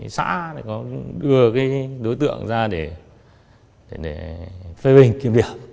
xã đưa đối tượng ra để phê bình kiếm việc